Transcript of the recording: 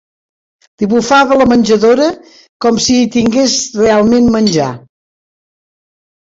Li bufava la menjadora, com si hi tingués realment menjar